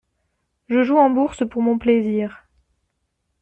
Je joue en bourse pour mon plaisir.